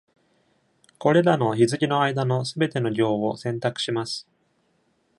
これらの日付の間のすべての行を選択します。